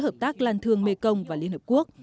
hợp tác làn thường mekong và liên hợp quốc